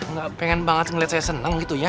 nggak pengen banget ngeliat saya seneng gitu ya